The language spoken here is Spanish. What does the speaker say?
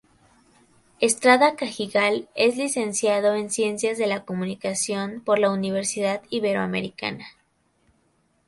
Estrada Cajigal es Licenciado en Ciencias de la Comunicación por la Universidad Iberoamericana.